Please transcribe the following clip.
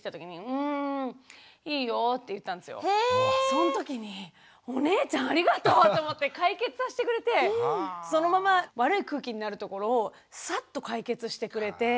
そんときに「お姉ちゃんありがとう」と思って解決させてくれてそのまま悪い空気になるところをサッと解決してくれて。